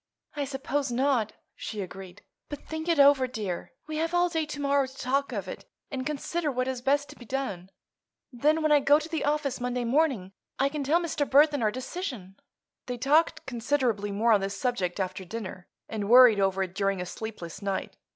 "I suppose not," she agreed. "But think it over, dear. We have all day to morrow to talk of it and consider what is best to be done. Then, when I go to the office Monday morning, I can tell Mr. Burthon our decision." They talked considerably more on this subject after dinner, and worried over it during a sleepless night.